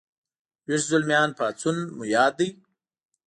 ويښ زلميان پاڅون مو یاد دی